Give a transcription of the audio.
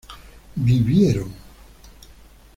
vivieron